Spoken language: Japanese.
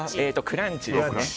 クランチですね。